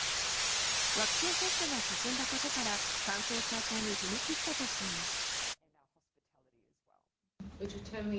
ワクチン接種が進んだことから観光再開に踏み切ったとしています。